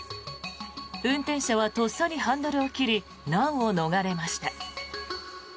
運転者はとっさにハンドルを切り難を逃れました。